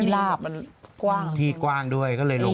เรียบร้อย